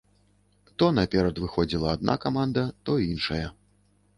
То наперад выходзіла адна каманда, то іншая.